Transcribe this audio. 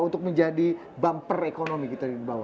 untuk menjadi bumper ekonomi